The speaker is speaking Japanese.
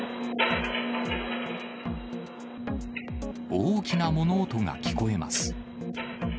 大きな物音が聞こえます。